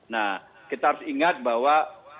nah kita harus ingat bahwa